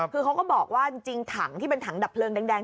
คือเขาก็บอกว่าจริงถังที่เป็นถังดับเพลิงแดง